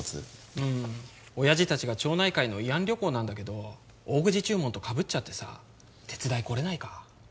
うん親父達が町内会の慰安旅行なんだけど大口注文とかぶっちゃってさ手伝い来れないか？